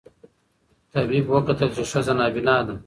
طبیب وکتل چي ښځه نابینا ده